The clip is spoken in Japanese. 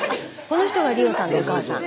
この人が理央さんのお母さん。